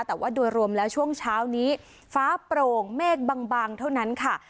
แต่ว่าโดยรวมแล้วช่วงเช้านี้ฟ้าโปร่งเมฆบางเท่านั้นค่ะ